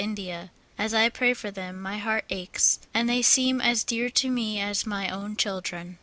IO9 India ; as I pray for them, my heart aches, and they seem as dear to me as my own children.